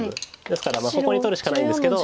ですからここに取るしかないんですけど。